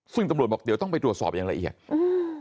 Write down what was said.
ซึ่งตำรวจบอกเดี๋ยวต้องไปตรวจสอบอย่างละเอียดอืม